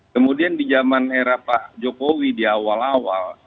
kemudian di zaman era pak jokowi di awal awal